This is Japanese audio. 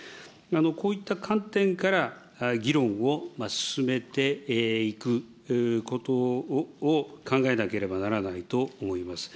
こういった観点から、議論を進めていくことを考えなければならないと思います。